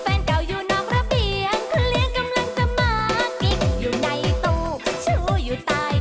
ใครพูดถ้าลึกออกมาก็ทำตาทำตีเป็นอาย